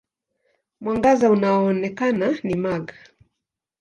Mwangaza unaoonekana ni mag.